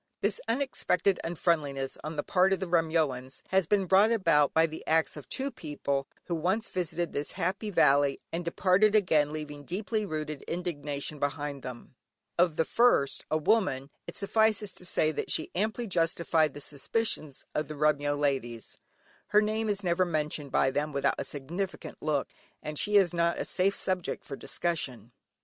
This unexpected unfriendliness on the part of the Remyoans has been brought about by the acts of two people, who once visited this happy valley, and departed again leaving deeply rooted indignation behind them. Of the first, a woman, it suffices to say that she amply justified the suspicions of the Remyo ladies. Her name is never mentioned by them without a significant look, and she is not a safe subject for discussion.